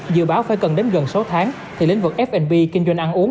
dự báo phải cần đến gần sáu tháng thì lĩnh vực f b kinh doanh ăn uống